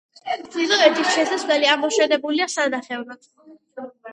ჩრდილოეთით შესასვლელი ამოშენებულია სანახევროდ.